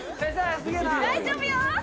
大丈夫よ。